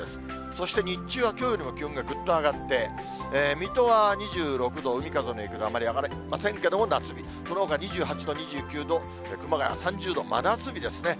そして日中はきょうよりも気温がぐっと上がって、水戸は２６度、海風の影響であまり上がりませんけれども、夏日、そのほか２８度、２９度、熊谷３０度、真夏日ですね。